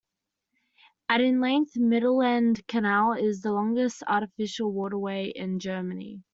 At in length, the Mittelland Canal is the longest artificial waterway in Germany.